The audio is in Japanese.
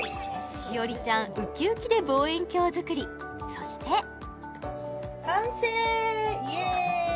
しおりちゃんウキウキで望遠鏡作りそしてイエーイ！